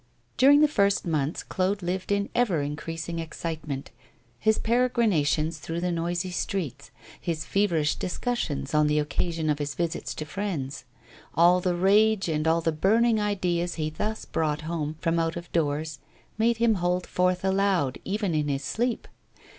During the first months Claude lived in ever increasing excitement. His peregrinations through the noisy streets; his feverish discussions on the occasion of his visits to friends; all the rage and all the burning ideas he thus brought home from out of doors, made him hold forth aloud even in his sleep.